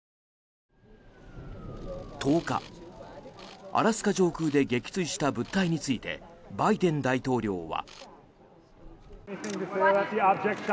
１０日、アラスカ上空で撃墜した物体についてバイデン大統領は。